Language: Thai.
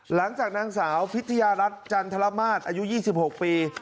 หลังจากนางสาวพิทยารัฐจันทรมาศอายุ๒๖ปี